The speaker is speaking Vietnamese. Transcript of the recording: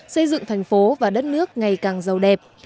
xây dựng thành phố và đất nước ngày càng giàu đẹp